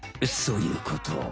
そういうこと。